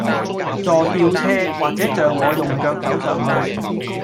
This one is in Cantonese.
坐吊車，或者像我用腳走上去